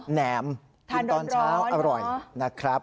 แหนมกินตอนเช้าอร่อยนะครับ